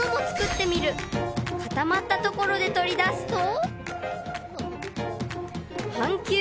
［固まったところで取り出すと］